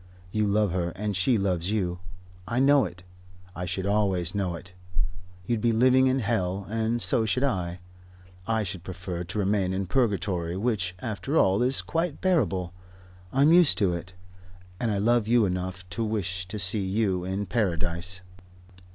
You love her and she loves you. I know it. I should always know it. You'd be living in hell and so should I. I should prefer to remain in purgatory, which, after all, is quite bearable I'm used to it and I love you enough to wish to see you in paradise."